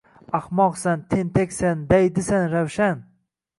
„Ahmoqsan, tentaksan, daydisan Ravshan…“